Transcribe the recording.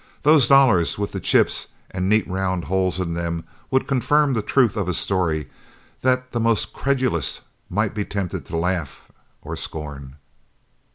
Those dollars with the chips and neat round holes in them would confirm the truth of a story that the most credulous might be tempted to laugh or scorn.